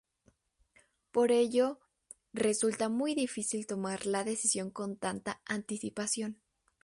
Por ello, resulta muy difícil tomar la decisión con tanta anticipación.